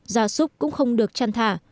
già súc cũng không được chăn thả